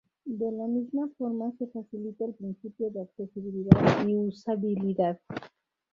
De la misma forma se facilita el principio de accesibilidad y usabilidad.